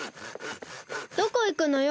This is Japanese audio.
どこいくのよ？